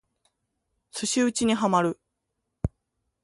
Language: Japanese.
寿司打にハマる